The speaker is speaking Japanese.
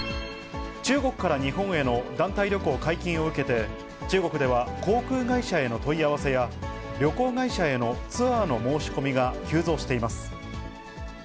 中国から日本への団体旅行解禁を受けて、中国では航空会社への問い合わせや、旅行会社へのツアーの申し込みが急増しています。